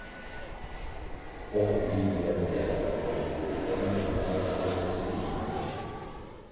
Kwar yiyihya biala na dong vur nte mong manʼnga mo zi sil ywih.